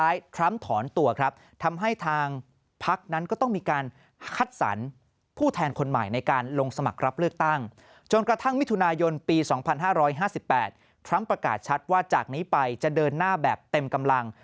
ทรัมป์ประกาศชัดว่าจากนี้ไปจะเดินหน้าแบบเต็มกำลัง